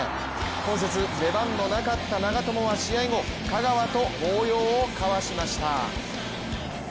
今節出番のなかった長友は試合後香川と抱擁を交わしました。